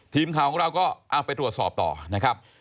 ทีมข่าวของเราก็เอาไปตรวจสอบต่อนะครับ